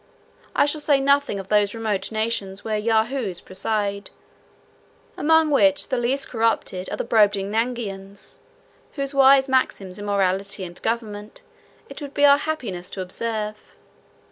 I shall say nothing of those remote nations where Yahoos preside; among which the least corrupted are the Brobdingnagians; whose wise maxims in morality and government it would be our happiness to observe.